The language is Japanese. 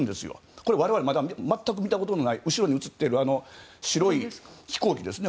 これは我々、全く見たことのない後ろに写っている白い飛行機ですね。